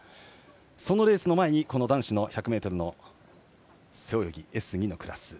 そのレースの前に男子の１００ｍの背泳ぎＳ２のクラス。